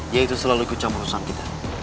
dia itu selalu ikut campur usang kita